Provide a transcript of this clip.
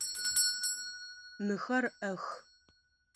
Мыхэр ӏэх.